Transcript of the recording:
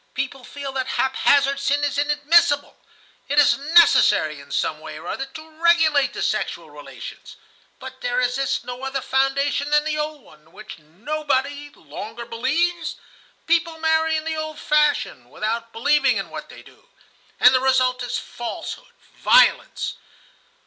People feel that haphazard sin is inadmissible. It is necessary in some way or other to regulate the sexual relations; but there exists no other foundation than the old one, in which nobody longer believes? People marry in the old fashion, without believing in what they do, and the result is falsehood, violence.